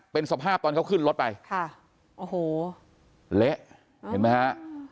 เป็นสภาพตอนเขาขึ้นรถไปค่ะโอ้โหเละเห็นไหมฮะ